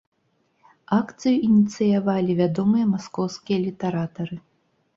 Акцыю ініцыявалі вядомыя маскоўскія літаратары.